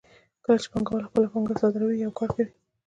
کله چې پانګوال خپله پانګه صادروي یو کار کوي